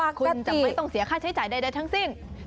คนจะไม่ต้องเสียค่าใช้จ่ายใดทั้งสิ้น